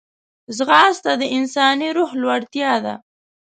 ځغاسته د انساني روح لوړتیا ده